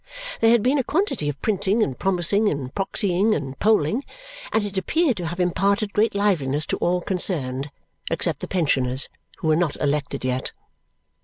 There had been a quantity of printing, and promising, and proxying, and polling, and it appeared to have imparted great liveliness to all concerned, except the pensioners who were not elected yet.